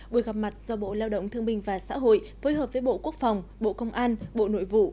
buổi gặp mặt do bộ lao động thương minh và xã hội phối hợp với bộ quốc phòng bộ công an bộ nội vụ